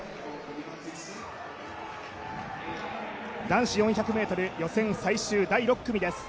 男子４００ｍ予選最終第６組です